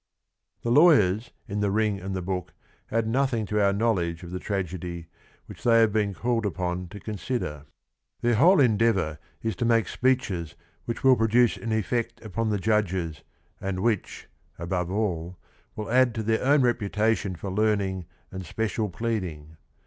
The lawye rs__ip The ping an d the Book add nothi ng to our knowledge pf rt»» t^flgHy jyhi' h they have been called upon to con sider. T heir HYACINTHUS DE ARCHANGELIS 137 whcde^£ndeayor is to make speeches which will produce an effect upon the judges and which, above all, will add to their own reputation for le arning and special ple ading.